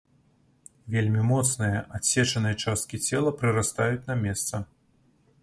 Вельмі моцныя, адсечаныя часткі цела прырастаюць на месца.